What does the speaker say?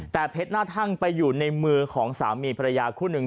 แต่เพชรหน้าทั่งไปอยู่ในมือของสามีภรรยาคู่หนึ่ง